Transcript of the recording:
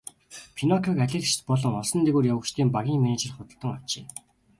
Пиноккиог алиалагчид болон олсон дээгүүр явагчдын багийн менежер худалдан авчээ.